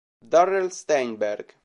Darrell Steinberg